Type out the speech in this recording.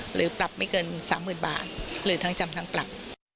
หรือปรับไม่เกิน๓๐๐๐บาทหรือทั้งจำทั้งปรับ